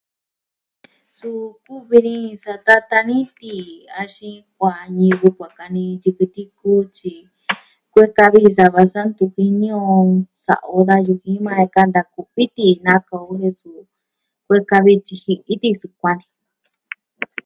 Suu kuvi ni satatan ni tii, axin kuaa ñivɨ kuaa kani yɨkɨ tiku tyi, kueka vi sava sa ntu jini o. Sa'a o da yuji maa e kanta kuvi tina ka'an o iyo sɨɨ. Kueka vi tyiji itɨ sukuan ni.